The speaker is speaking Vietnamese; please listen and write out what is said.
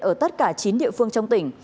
ở tất cả chín địa phương trong tỉnh